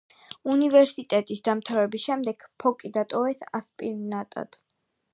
უნივერსიტეტის დამთავრების შემდეგ ფოკი დატოვეს ასპირანტად.